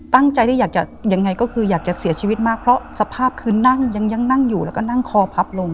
ตั้งใจที่อยากจะยังไงก็คืออยากจะเสียชีวิตมากเพราะสภาพคือนั่งยังนั่งอยู่แล้วก็นั่งคอพับลง